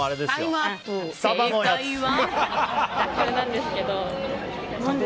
正解は。